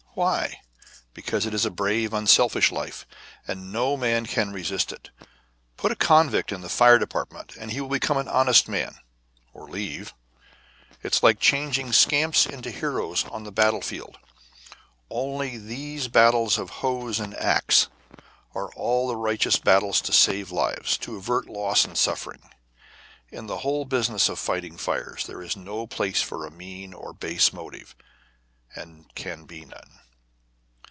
Why? Because it is a brave, unselfish life, and no man can resist it. Put a convict in the fire department and he will become an honest man or leave. It's like changing scamps into heroes on the battle field, only these battles of hose and ax are all righteous battles to save life, to avert loss and suffering. In the whole business of fighting fires there is no place for a mean or a base motive, and can be none.